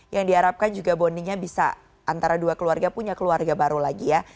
yang diharapkan juga bondingnya bisa antara dua keluarga punya keluarga baru lagi ya